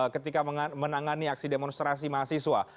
ketika menangani aksi demonstrasi mahasiswa